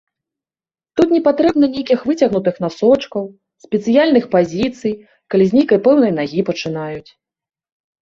Тут непатрэбна нейкіх выцягнутых насочкаў, спецыяльных пазіцый, калі з нейкай пэўнай нагі пачынаюць.